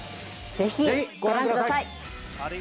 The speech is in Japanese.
ぜひご覧ください。